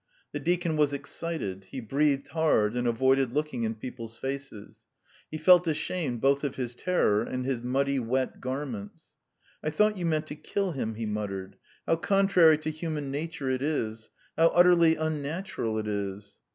The deacon was excited; he breathed hard, and avoided looking in people's faces. He felt ashamed both of his terror and his muddy, wet garments. "I thought you meant to kill him ..." he muttered. "How contrary to human nature it is! How utterly unnatural it is!"